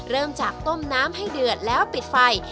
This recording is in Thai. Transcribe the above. เริ่มจากต้มน้ำให้เดือดแล้วปิดไฟ